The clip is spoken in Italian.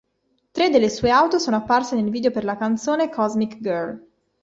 Tre delle sue auto sono apparse nel video per la canzone "Cosmic Girl".